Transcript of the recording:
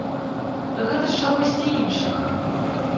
Гэта з чагосьці іншага!